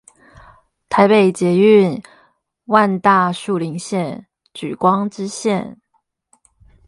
台北捷運萬大樹林線莒光支線